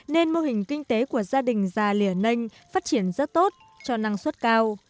nên mô hình kinh tế của gia đình và liền ninh phát triển rất tốt cho năng suất cao